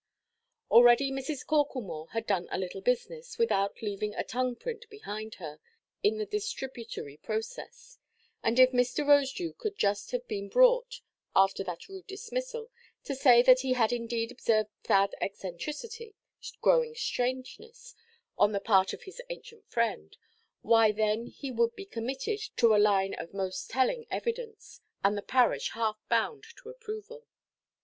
Already Mrs. Corklemore had done a little business, without leaving a tongue–print behind her, in the distributory process; and if Mr. Rosedew could just have been brought, after that rude dismissal, to say that he had indeed observed sad eccentricity, growing strangeness, on the part of his ancient friend, why then he would be committed to a line of most telling evidence, and the parish half bound to approval.